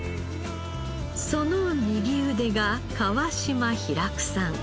その右腕が川島拓さん。